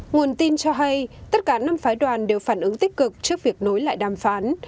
nguồn tin cho hay tất cả năm phái đoàn đều phản ứng tích cực trước việc nối lại đàm phán